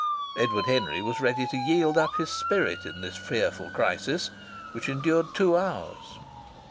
Edward Henry was ready to yield up his spirit in this fearful crisis, which endured two hours.